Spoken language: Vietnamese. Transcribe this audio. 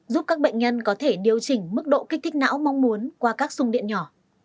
giúp các bệnh nhân có thể điều chỉnh mức độ kích thích não mong muốn qua các sùng điện nhỏ